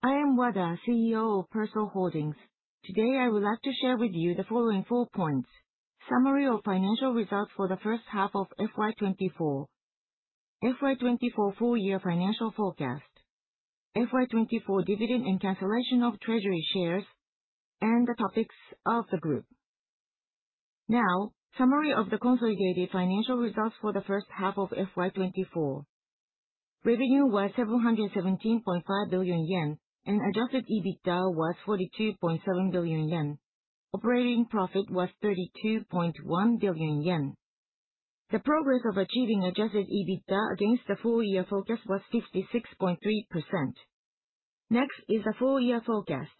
I am Wada, CEO of Persol Holdings. Today I would like to share with you the following four points: summary of financial results for the first half of FY 2024, FY 2024 full-year financial forecast, FY 2024 dividend and cancellation of Treasury shares, and the topics of the group. Now, summary of the consolidated financial results for the first half of FY 2024. Revenue was 717.5 billion yen, and adjusted EBITDA was 42.7 billion yen. Operating profit was 32.1 billion yen. The progress of achieving adjusted EBITDA against the full-year forecast was 56.3%. Next is the full-year forecast.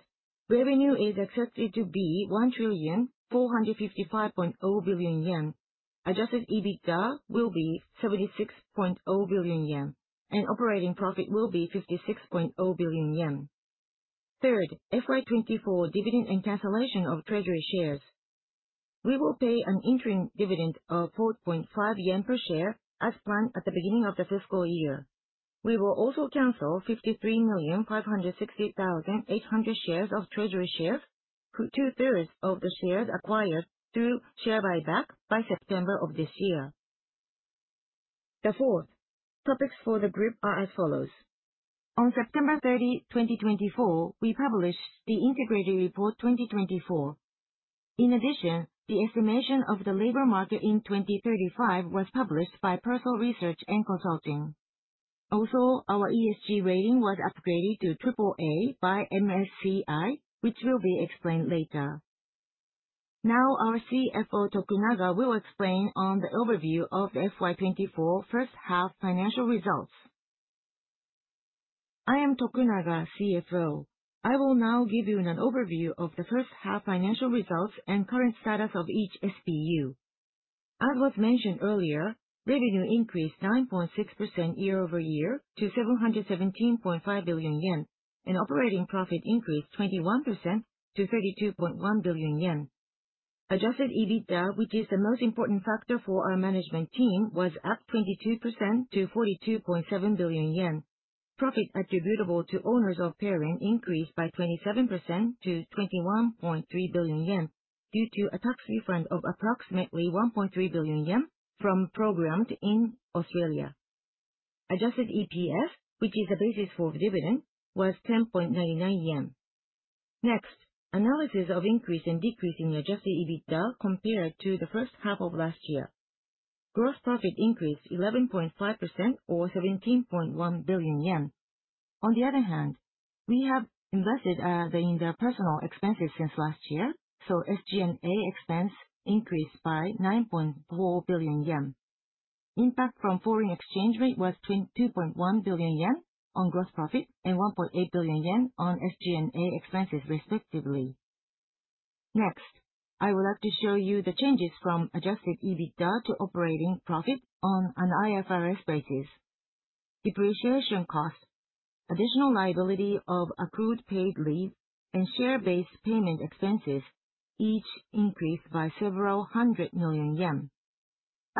Revenue is expected to be 1.455 trillion. Adjusted EBITDA will be 76.0 billion yen, and operating profit will be 56.0 billion yen. Third, FY 2024 dividend and cancellation of Treasury shares. We will pay an interim dividend of 4.5 yen per share, as planned at the beginning of the fiscal year. We will also cancel 53,560,800 shares of Treasury shares, two-thirds of the shares acquired through share buyback by September of this year. The fourth, topics for the group are as follows. On September 30, 2024, we published the Integrated Report 2024. In addition, the estimation of the labor market in 2035 was published by Persol Research and Consulting. Also, our ESG rating was upgraded to AAA by MSCI, which will be explained later. Now, our CFO, Tokunaga, will explain on the overview of the FY 2024 first half financial results. I am Tokunaga, CFO. I will now give you an overview of the first half financial results and current status of each SBU. As was mentioned earlier, revenue increased 9.6% year over year to 717.5 billion yen, and operating profit increased 21% to 32.1 billion yen. Adjusted EBITDA, which is the most important factor for our management team, was up 22% to 42.7 billion yen. Profit attributable to owners of parent increased by 27% to 21.3 billion yen due to a tax refund of approximately 1.3 billion yen from Programmed in Australia. Adjusted EPS, which is the basis for dividend, was 10.99 yen. Next, analysis of increase and decrease in the adjusted EBITDA compared to the first half of last year. Gross profit increased 11.5% or 17.1 billion yen. On the other hand, we have invested in the personnel expenses since last year, so SG&A expense increased by 9.4 billion yen. Impact from foreign exchange rate was 2.1 billion yen on gross profit and 1.8 billion yen on SG&A expenses, respectively. Next, I would like to show you the changes from adjusted EBITDA to operating profit on an IFRS basis. Depreciation cost, additional liability of accrued paid leave, and share-based payment expenses each increased by several hundred million yen.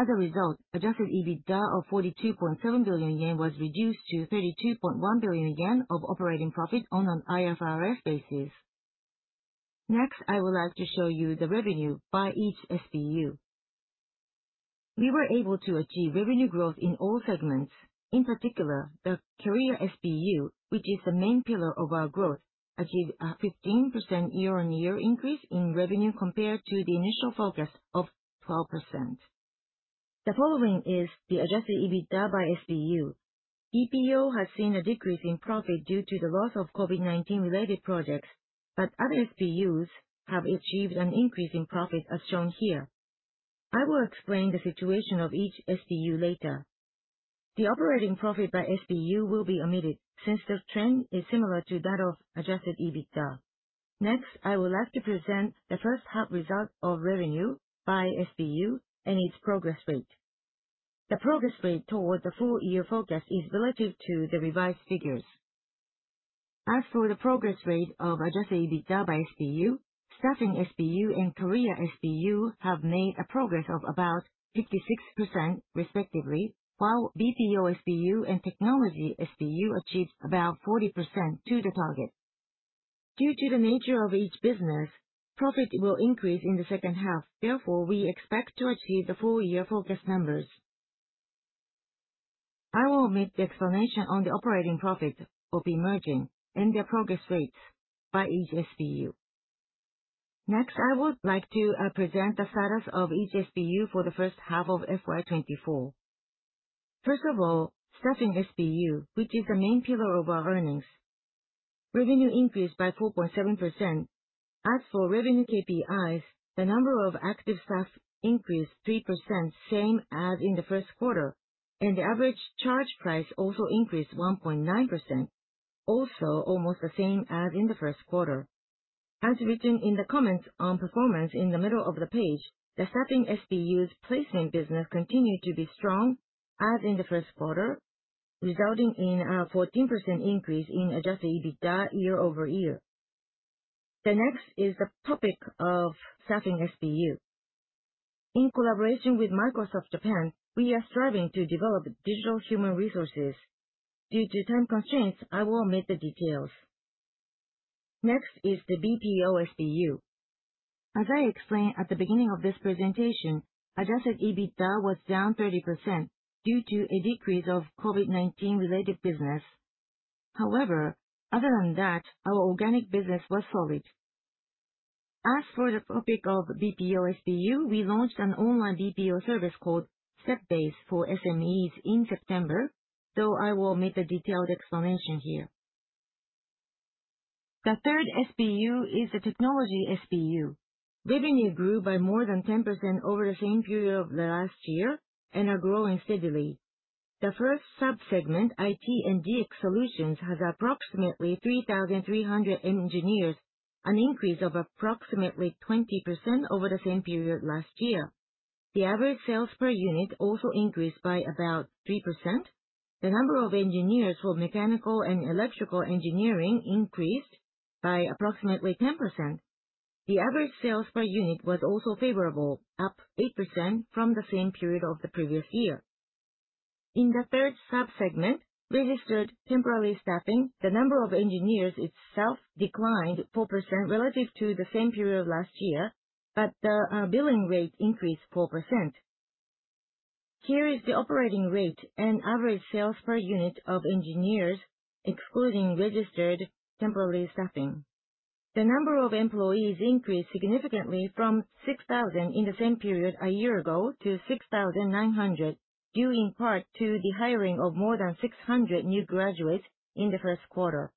As a result, adjusted EBITDA of 42.7 billion yen was reduced to 32.1 billion yen of operating profit on an IFRS basis. Next, I would like to show you the revenue by each SBU. We were able to achieve revenue growth in all segments. In particular, the Career SBU, which is the main pillar of our growth, achieved a 15% year-on-year increase in revenue compared to the initial forecast of 12%. The following is the adjusted EBITDA by SBU. BPO has seen a decrease in profit due to the loss of COVID-19-related projects, but other SBUs have achieved an increase in profit as shown here. I will explain the situation of each SBU later. The operating profit by SBU will be omitted since the trend is similar to that of adjusted EBITDA. Next, I would like to present the first half results of revenue by SBU and its progress rate. The progress rate toward the full-year forecast is relative to the revised figures. As for the progress rate of adjusted EBITDA by SBU, Staffing SBU and Career SBU have made a progress of about 56%, respectively, while BPO SBU and Technology SBU achieved about 40% to the target. Due to the nature of each business, profit will increase in the second half. Therefore, we expect to achieve the full-year forecast numbers. I will omit the explanation on the operating profit of emerging and the progress rates by each SBU. Next, I would like to present the status of each SBU for the first half of FY 2024. First of all, Staffing SBU, which is the main pillar of our earnings, revenue increased by 4.7%. As for revenue KPIs, the number of active staff increased 3%, same as in the first quarter, and the average charge price also increased 1.9%, also almost the same as in the first quarter. As written in the comments on performance in the middle of the page, the Staffing SBU's placement business continued to be strong as in the first quarter, resulting in a 14% increase in adjusted EBITDA year over year. The next is the topic of Staffing SBU. In collaboration with Microsoft Japan, we are striving to develop digital human resources. Due to time constraints, I will omit the details. Next is the BPO SBU. As I explained at the beginning of this presentation, adjusted EBITDA was down 30% due to a decrease of COVID-19-related business. However, other than that, our organic business was solid. As for the topic of BPO SBU, we launched an online BPO service called StepBase for SMEs in September, though I will omit the detailed explanation here. The third SBU is the Technology SBU. Revenue grew by more than 10% over the same period of the last year and are growing steadily. The first subsegment, IT and DX Solutions, has approximately 3,300 engineers, an increase of approximately 20% over the same period last year. The average sales per unit also increased by about 3%. The number of engineers for mechanical and electrical engineering increased by approximately 10%. The average sales per unit was also favorable, up 8% from the same period of the previous year. In the third subsegment, Registered Temporary Staffing, the number of engineers itself declined 4% relative to the same period of last year, but the billing rate increased 4%. Here is the operating rate and average sales per unit of engineers, excluding Registered Temporary Staffing. The number of employees increased significantly from 6,000 in the same period a year ago to 6,900, due in part to the hiring of more than 600 new graduates in the first quarter.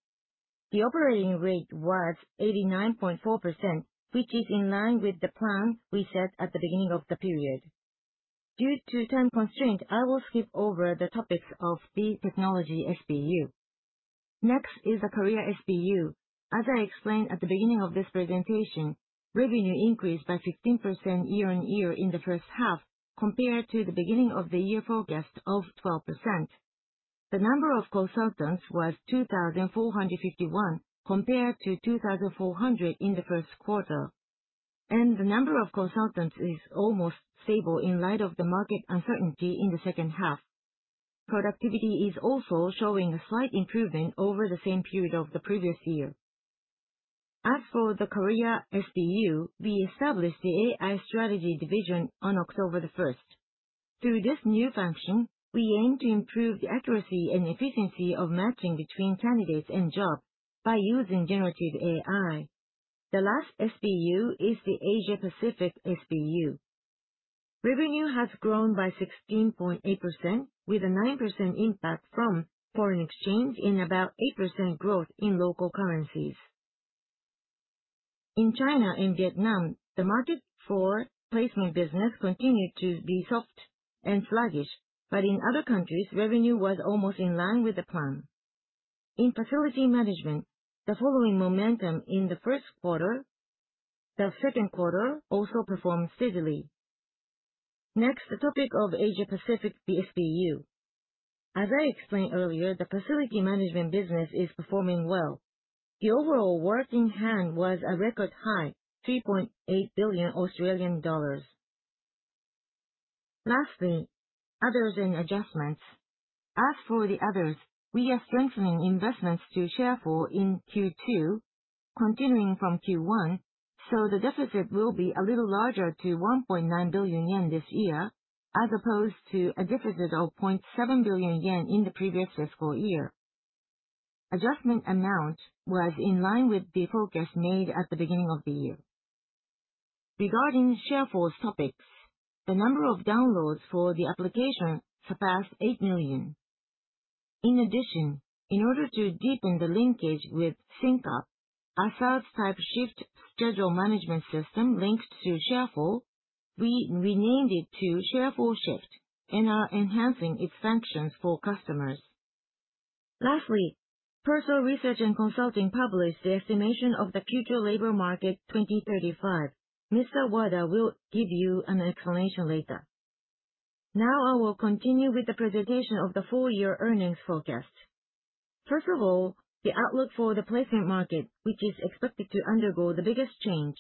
The operating rate was 89.4%, which is in line with the plan we set at the beginning of the period. Due to time constraints, I will skip over the topics of the Technology SBU. Next is the Career SBU. As I explained at the beginning of this presentation, revenue increased by 15% year-on-year in the first half compared to the beginning of the year forecast of 12%. The number of consultants was 2,451 compared to 2,400 in the first quarter, and the number of consultants is almost stable in light of the market uncertainty in the second half. Productivity is also showing a slight improvement over the same period of the previous year. As for the Career SBU, we established the AI Strategy Division on October the 1st. Through this new function, we aim to improve the accuracy and efficiency of matching between candidates and jobs by using generative AI. The last SBU is the Asia-Pacific SBU. Revenue has grown by 16.8%, with a 9% impact from foreign exchange and about 8% growth in local currencies. In China and Vietnam, the market for placement business continued to be soft and sluggish, but in other countries, revenue was almost in line with the plan. In facility management, following the momentum in the first quarter, the second quarter also performed steadily. Next, the topic of Asia-Pacific SBU. As I explained earlier, the facility management business is performing well. The overall work in hand was a record high 3.8 billion Australian dollars. Lastly, others and adjustments. As for the others, we are strengthening investments to Sharefull in Q2, continuing from Q1, so the deficit will be a little larger to 1.9 billion yen this year, as opposed to a deficit of 0.7 billion yen in the previous fiscal year. Adjustment amount was in line with the forecast made at the beginning of the year. Regarding Sharefull topics, the number of downloads for the application surpassed eight million. In addition, in order to deepen the linkage with Sync Up, a SaaS-type shift schedule management system linked to Sharefull, we renamed it to Sharefull Shift and are enhancing its functions for customers. Lastly, Persol Research and Consulting published the estimation of the future labor market 2035. Mr. Wada will give you an explanation later. Now, I will continue with the presentation of the full-year earnings forecast. First of all, the outlook for the placement market, which is expected to undergo the biggest change.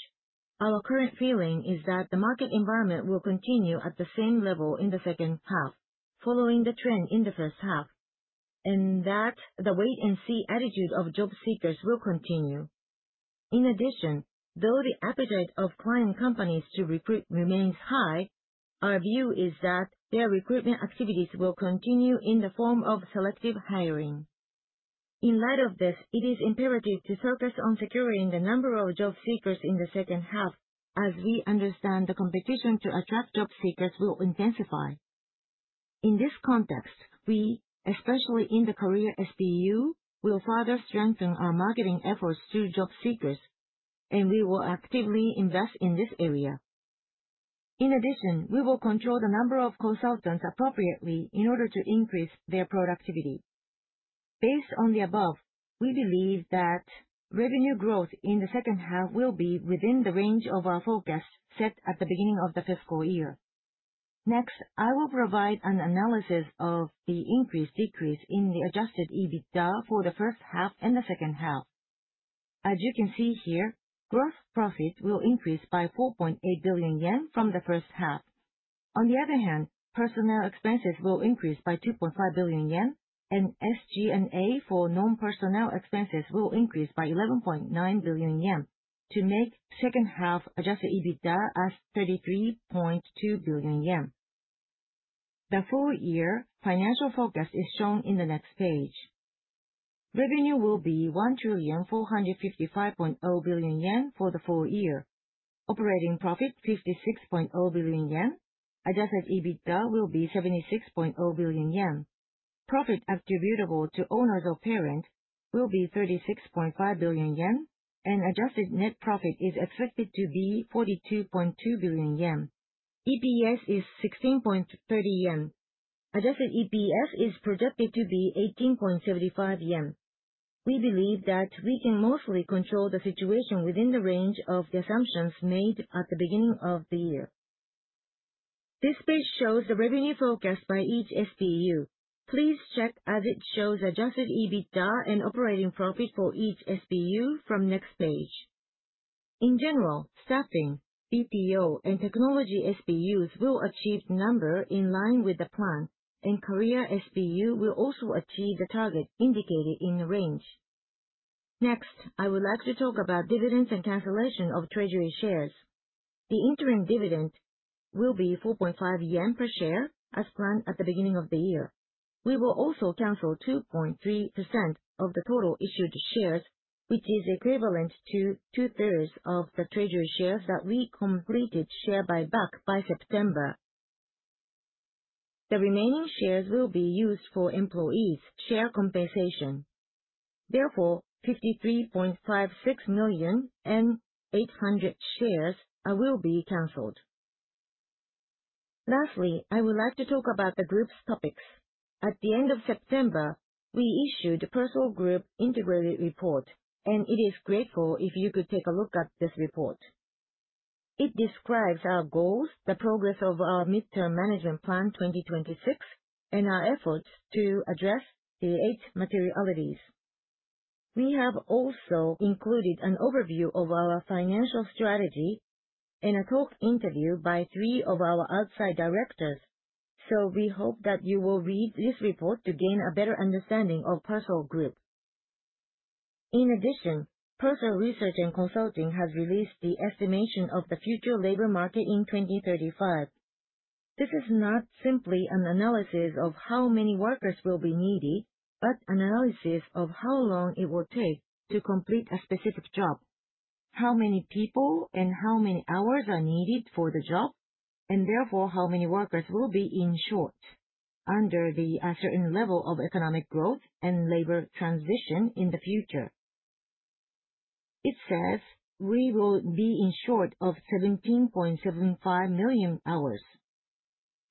Our current feeling is that the market environment will continue at the same level in the second half, following the trend in the first half, and that the wait-and-see attitude of job seekers will continue. In addition, though the appetite of client companies to recruit remains high, our view is that their recruitment activities will continue in the form of selective hiring. In light of this, it is imperative to focus on securing the number of job seekers in the second half, as we understand the competition to attract job seekers will intensify. In this context, we, especially in the Career SBU, will further strengthen our marketing efforts to job seekers, and we will actively invest in this area. In addition, we will control the number of consultants appropriately in order to increase their productivity. Based on the above, we believe that revenue growth in the second half will be within the range of our forecast set at the beginning of the fiscal year. Next, I will provide an analysis of the increase-decrease in the adjusted EBITDA for the first half and the second half. As you can see here, gross profit will increase by 4.8 billion yen from the first half. On the other hand, personnel expenses will increase by 2.5 billion yen, and SG&A for non-personnel expenses will increase by 11.9 billion yen to make second half adjusted EBITDA as 33.2 billion yen. The full-year financial forecast is shown in the next page. Revenue will be 1,455.0 billion yen for the full year. Operating profit 56.0 billion yen. Adjusted EBITDA will be 76.0 billion yen. Profit attributable to owners of parent will be 36.5 billion yen, and adjusted net profit is expected to be 42.2 billion yen. EPS is 16.30 yen. Adjusted EPS is projected to be 18.75 yen. We believe that we can mostly control the situation within the range of the assumptions made at the beginning of the year. This page shows the revenue forecast by each SBU. Please check as it shows adjusted EBITDA and operating profit for each SBU from the next page. In general, staffing, BPO, and Technology SBUs will achieve the number in line with the plan, and Career SBU will also achieve the target indicated in the range. Next, I would like to talk about dividends and cancellation of treasury shares. The interim dividend will be 4.5 yen per share as planned at the beginning of the year. We will also cancel 2.3% of the total issued shares, which is equivalent to two-thirds of the treasury shares that we completed share buyback by September. The remaining shares will be used for employees' share compensation. Therefore, 53,560,800 shares will be canceled. Lastly, I would like to talk about the group's topics. At the end of September, we issued the Persol Group Integrated Report, and it is great if you could take a look at this report. It describes our goals, the progress of our Mid-term Management Plan 2026, and our efforts to address the eight materialities. We have also included an overview of our financial strategy and a talk interview by three of our outside directors, so we hope that you will read this report to gain a better understanding of Persol Group. In addition, Persol Research and Consulting has released the estimation of the future labor market in 2035. This is not simply an analysis of how many workers will be needed, but an analysis of how long it will take to complete a specific job, how many people and how many hours are needed for the job, and therefore how many workers will be short under the certain level of economic growth and labor transition in the future. It says we will be short of 17.75 million hours.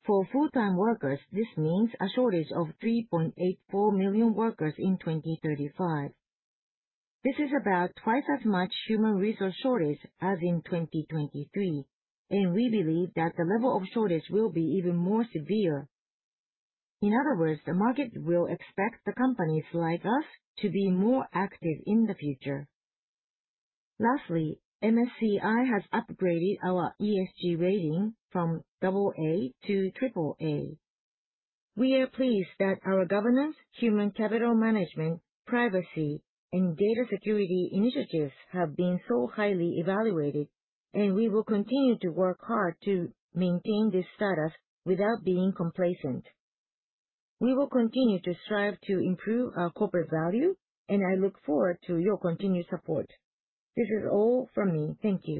For full-time workers, this means a shortage of 3.84 million workers in 2035. This is about twice as much human resource shortage as in 2023, and we believe that the level of shortage will be even more severe. In other words, the market will expect the companies like us to be more active in the future. Lastly, MSCI has upgraded our ESG rating from AA to AAA. We are pleased that our governance, human capital management, privacy, and data security initiatives have been so highly evaluated, and we will continue to work hard to maintain this status without being complacent. We will continue to strive to improve our corporate value, and I look forward to your continued support. This is all from me. Thank you.